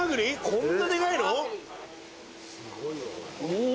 こんなデカいの？